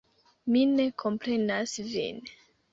Mi ne komprenas vin.